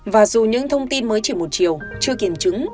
và dù những thông tin mới chỉ một chiều chưa kiểm chứng